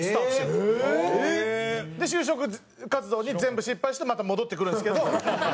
で就職活動に全部失敗してまた戻ってくるんですけど。